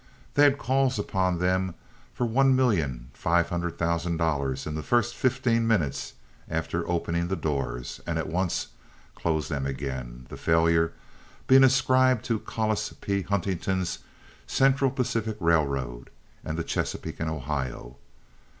They had calls upon them for one million five hundred thousand dollars in the first fifteen minutes after opening the doors, and at once closed them again, the failure being ascribed to Collis P. Huntington's Central Pacific Railroad and the Chesapeake & Ohio.